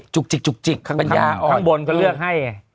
จุกจิกข้างบนก็เลือกให้